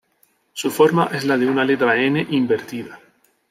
Su forma es la de una letra "N" invertida.